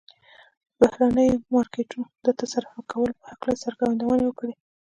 د بهرنيو مارکيټونو د تصرف کولو په هکله يې څرګندونې وکړې.